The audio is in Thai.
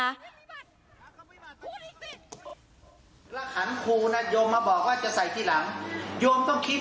แล้วหันครูนะโยมมาบอกว่าจะใส่ทีหลังโยมต้องคิด